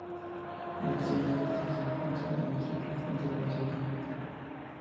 Al occidente de esta se encuentra con la triple frontera Brasil-Colombia-Perú.